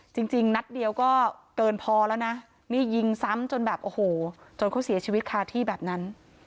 จริงนัดเดียวก็เกินพอแล้วนะนี่ยิงซ้ำจนแบบโอ้โหจนเขาเสียชีวิตคาที่แบบนั้น